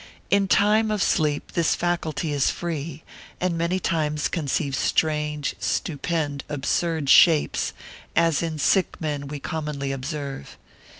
In time of sleep this faculty is free, and many times conceive strange, stupend, absurd shapes, as in sick men we commonly observe.